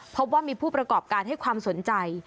พบว่ามีผู้ประกอบการให้ความสนใจ